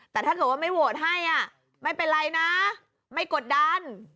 แต่ถ้าเกิดว่าไม่โหวตให้ไม่เป็นไรนะไม่กดดัน